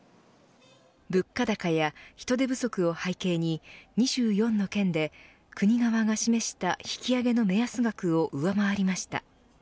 物価高や人手不足を背景に２４の県で国側が示した引き上げの目安額を上回りました。